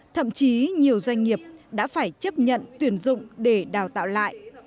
thậm chí nhiều doanh nghiệp đã phải chấp nhận tuyển dụng để đào tạo lại